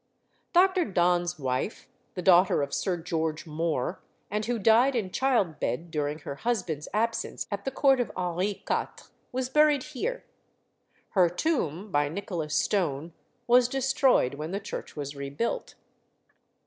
Dr. Donne's wife, the daughter of Sir George More, and who died in childbed during her husband's absence at the court of Henri Quatre, was buried here. Her tomb, by Nicholas Stone, was destroyed when the church was rebuilt.